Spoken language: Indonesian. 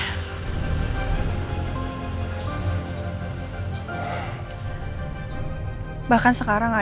hubungan terus lagi